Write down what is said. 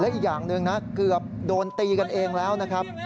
อีกอย่างหนึ่งนะเกือบโดนตีกันเองแล้วนะครับ